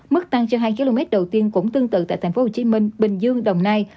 mức tăng trên hai km đầu tiên cũng tương tự tại tp hcm bình dương đồng nai